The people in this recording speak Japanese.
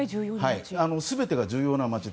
全てが重要な街。